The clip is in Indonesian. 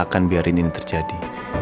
akan biarin ini terjadi